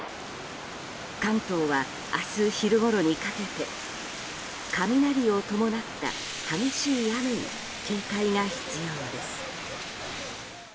関東は明日昼ごろにかけて雷を伴った激しい雨に警戒が必要です。